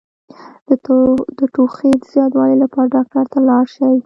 د ټوخي د زیاتوالي لپاره ډاکټر ته لاړ شئ